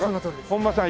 本間さん